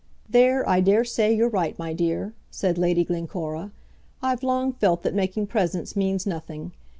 "There I daresay you're right, my dear," said Lady Glencora. "I've long felt that making presents means nothing.